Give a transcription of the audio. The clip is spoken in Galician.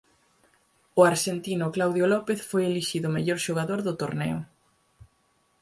O arxentino Claudio López foi elixido mellor xogador do torneo.